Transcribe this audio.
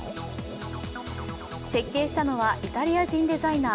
設計したのはイタリア人デザイナー。